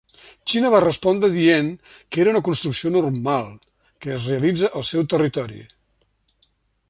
Xina va respondre dient que era una construcció normal, que es realitza al seu territori.